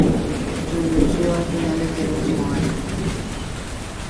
Renunció a finales del mismo año.